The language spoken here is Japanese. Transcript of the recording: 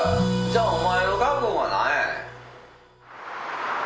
じゃあお前の覚悟は何やねん？